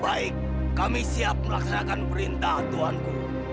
baik kami siap melaksanakan perintah tuhanku